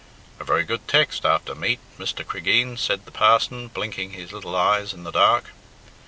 "A very good text after meat, Mr. Cregeen," said the parson, blinking his little eyes in the dark.